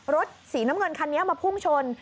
รถสีน้ำเงินคันนี้มาพุ่งชน